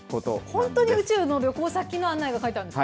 本当に宇宙の旅行先の案内が書いてあるんですか？